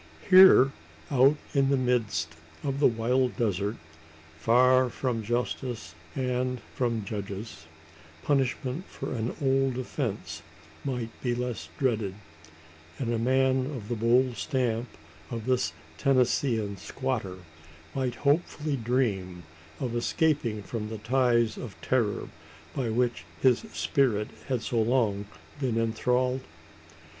Here out in the midst of the wild desert far from justice and from judges punishment for an old offence might be less dreaded; and a man of the bold stamp of this Tennesseean squatter might hopefully dream of escaping from the ties of terror by which his spirit had so long been enthralled?